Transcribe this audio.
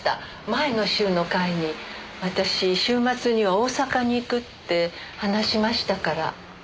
前の週の会に私週末には大阪に行くって話しましたから。